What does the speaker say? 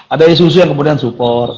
ada isuzu yang kemudian support